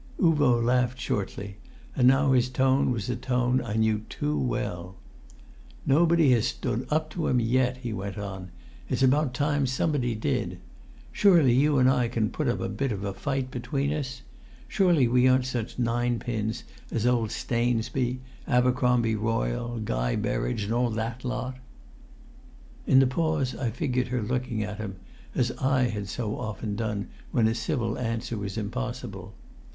Uvo laughed shortly, and now his tone was a tone I knew too well. "Nobody has stood up to him yet," he went on; "it's about time somebody did. Surely you and I can put up a bit of a fight between us? Surely we aren't such ninepins as old Stainsby, Abercromby Royle, Guy Berridge and all that lot?" In the pause I figured her looking at him, as I had so often done when a civil answer was impossible.